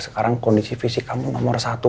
sekarang kondisi fisik kamu nomor satu